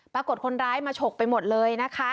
ปรากฏคนร้ายมาฉกไปหมดเลยนะคะ